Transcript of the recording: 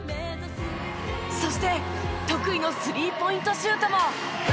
そして得意のスリーポイントシュートも。